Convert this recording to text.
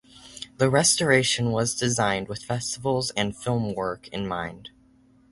The restoration was designed with festivals and film work in mind.